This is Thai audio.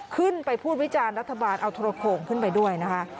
ขึ้นไปพูดวิจารณ์รัฐบาลเอาโทรโขงขึ้นไปด้วยนะคะ